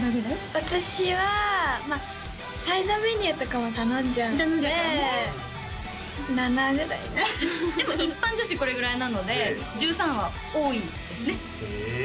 私はまあサイドメニューとかも頼んじゃうので７ぐらいでも一般女子これぐらいなので１３は多いですねえ？